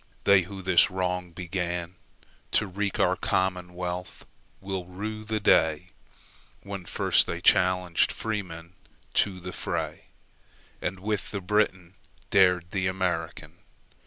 They who this wrong beganTo wreck our commonwealth, will rue the dayWhen first they challenged freemen to the fray, And with the Briton dared the American.